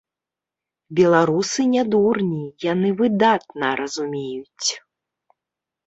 Беларусы не дурні, яны выдатна разумеюць.